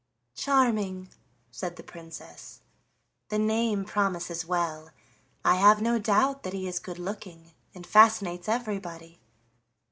"Charming," said the Princess, "the name promises well; I have no doubt that he is good looking and fascinates everybody."